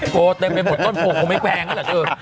โสเต็มไปหมดต้นโพพวก็ไม่แพง็้แหละสิ